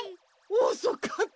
おそかったか！